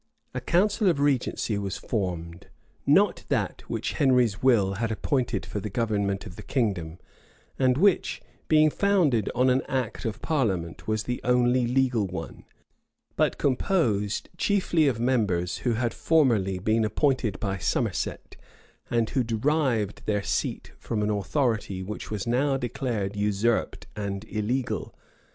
[*] A council of regency was formed; not that which Henry's will had appointed for the government of the kingdom, and which, being founded on an act of parliament, was the only legal one, but composed chiefly of members who had formerly been appointed by Somerset, and who derived their seat from an authority which was now declared usurped and illegal.